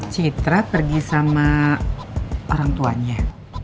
citra pergi sama orang tuanya